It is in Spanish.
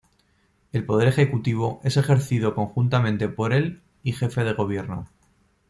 El poder ejecutivo es ejercido conjuntamente por el y jefe de gobierno.